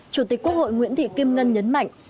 chủ tịch quốc hội nguyễn thị kim ngân nhấn mạnh